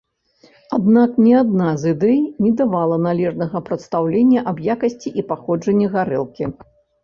Аднак ні адна з ідэй не давала належнага прадстаўлення аб якасці і паходжанні гарэлкі.